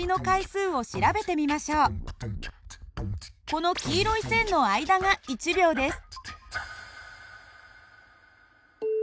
この黄色い線の間が１秒です。